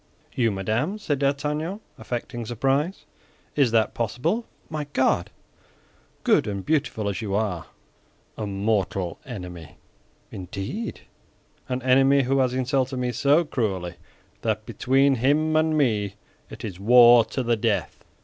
"You, madame!" said D'Artagnan, affecting surprise; "is that possible, my God?—good and beautiful as you are!" "A mortal enemy." "Indeed!" "An enemy who has insulted me so cruelly that between him and me it is war to the death.